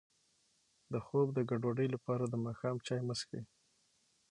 د خوب د ګډوډۍ لپاره د ماښام چای مه څښئ